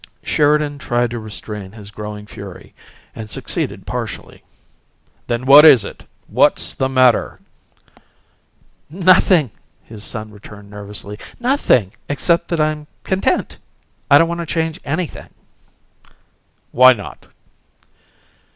Sheridan tried to restrain his growing fury, and succeeded partially. "Then what is it? What's the matter?" "Nothing," his son returned, nervously. "Nothing except that I'm content. I don't want to change anything." "Why not?"